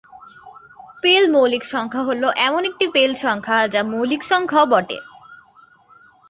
পেল মৌলিক সংখ্যা হলো এমন একটি পেল সংখ্যা, যা মৌলিক সংখ্যাও বটে।